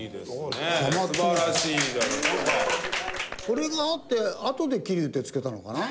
これがあってあとで桐生ってつけたのかな？